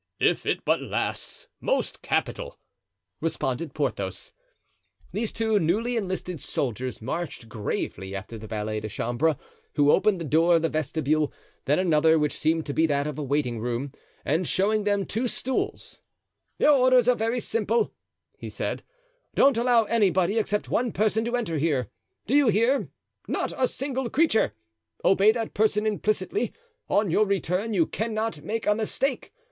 "If it but lasts, most capital," responded Porthos. These two newly enlisted soldiers marched gravely after the valet de chambre, who opened the door of the vestibule, then another which seemed to be that of a waiting room, and showing them two stools: "Your orders are very simple," he said; "don't allow anybody, except one person, to enter here. Do you hear—not a single creature! Obey that person implicitly. On your return you cannot make a mistake.